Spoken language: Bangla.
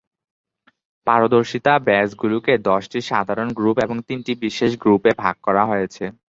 পারদর্শিতা ব্যাজ গুলোকে দশটি সাধারণ গ্রুপ এবং তিনটি বিশেষ গ্রুপে ভাগ করা হয়েছে।